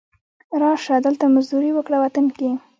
را شه، دلته مزدوري وکړه وطن کې